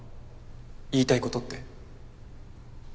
言いたいことって？